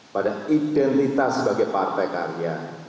pada identitas sebagai partai karya